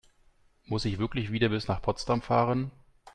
Muss ich wirklich wieder bis nach Potsdam fahren?